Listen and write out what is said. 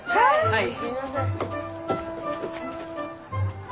はい。